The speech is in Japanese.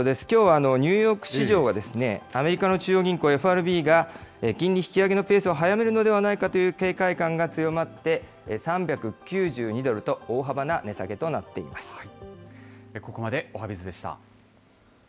きょうはニューヨーク市場が、アメリカの中央銀行、ＦＲＢが、金利引き上げのペースを速めるのではないかという警戒感が強まって、３９２ドルと、大幅な値下げとなっています。